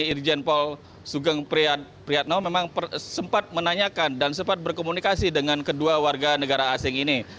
irjen paul sugeng priyatno memang sempat menanyakan dan sempat berkomunikasi dengan kedua warga negara asing ini